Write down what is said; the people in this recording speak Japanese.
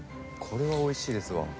これおいしいです。